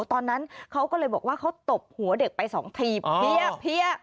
ตอนนั้นเขาก็เลยบอกว่าเขาตบหัวเด็กไปสองทีเพี้ย